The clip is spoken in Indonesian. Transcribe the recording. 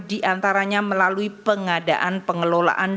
diantaranya melalui pengadaan pengelolaan